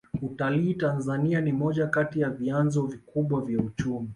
utalii tanzania ni moja kati ya vyanzo vikubwa vya uchumi